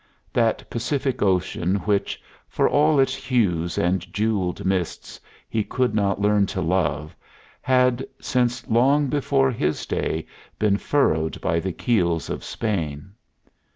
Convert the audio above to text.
That Pacific Ocean, which, for all its hues and jeweled mists, he could not learn to love, had, since long before his day, been furrowed by the keels of Spain.